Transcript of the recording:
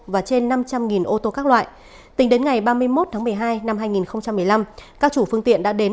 và trên năm trăm linh ô tô các loại tính đến ngày ba mươi một tháng một mươi hai năm hai nghìn một mươi năm các chủ phương tiện đã đến